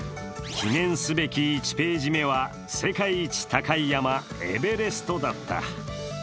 記念すべき１ページ目は世界一高い山、エベレストだった。